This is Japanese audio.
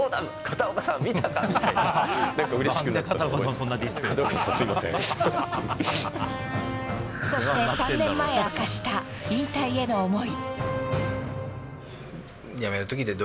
そして３年前、明かした引退への思い。